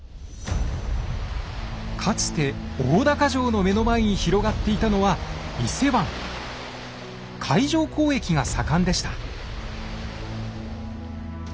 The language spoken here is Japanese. かつて大高城の目の前に広がっていたのは海上交易が盛んでした。